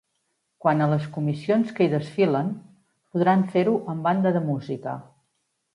Quant a les comissions que hi desfilen, podran fer-ho amb banda de música.